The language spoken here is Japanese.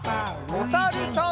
おさるさん。